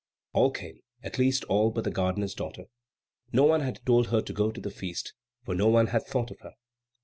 All came, at least all but the gardener's daughter. No one had told her to go to the feast, for no one had thought of her.